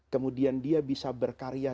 kemudian dia bisa berkarya